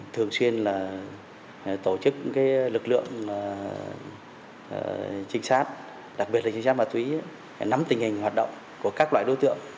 thường xuyên tổ chức lực lượng trinh sát đặc biệt là trinh sát ma túy nắm tình hình hoạt động của các loại đối tượng